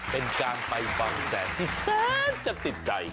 เป็นการไปบางแสนที่แสนจะติดใจ